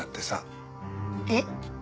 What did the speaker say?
えっ？